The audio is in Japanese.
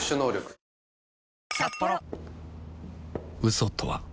嘘とは